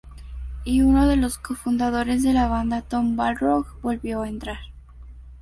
Y uno de los co-fundadores de la banda, Tom Balrog, volvió a entrar.